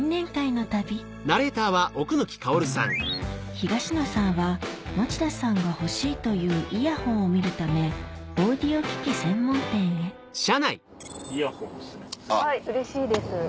東野さんは持田さんが欲しいというイヤホンを見るためオーディオ機器専門店へイヤホンですね。